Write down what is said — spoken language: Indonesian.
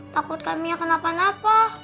takut kamiah kenapa napa